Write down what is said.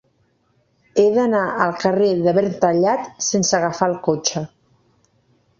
He d'anar al carrer de Verntallat sense agafar el cotxe.